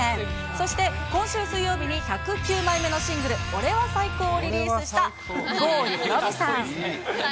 そして今週水曜日に１０９枚目のシングル、俺は最高！をリリースした郷ひろみさん。